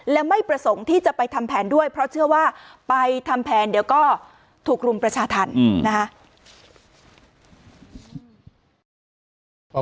และไม่ประสงค์ที่จะไปทำแผนด้วยเพราะเชื่อว่าไปทำแผนเดี๋ยวก็ถูกรุมประชาธรรมนะคะ